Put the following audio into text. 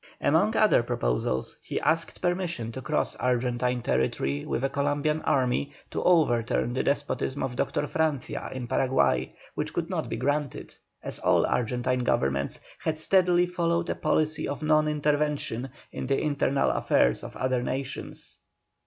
Among other proposals he asked permission to cross Argentine territory with a Columbian army to overturn the despotism of Dr. Francia in Paraguay, which could not be granted, as all Argentine governments had steadily followed a policy of non intervention in the internal affairs of other nations.